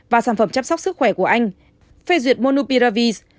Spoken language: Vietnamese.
và sản phẩm chăm sóc sức khỏe của anh phê duyệt monupiravis